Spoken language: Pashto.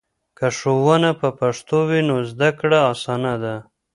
که ښوونه په پښتو وي نو زده کړه اسانه ده.